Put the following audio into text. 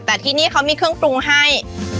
แต่ที่นี่เขามีเครื่องปรุงให้